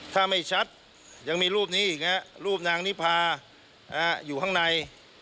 ถ้าไม่ชัดยังมีรูปนี้อีกรูปนางนิพาอยู่ข้างใน